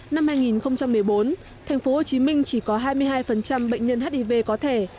năm hai nghìn một mươi bốn tp hcm chỉ có hai mươi hai bệnh nhân hiv có thể